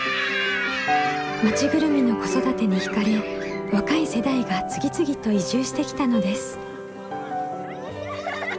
町ぐるみの子育てに惹かれ若い世代が次々と移住してきたのです。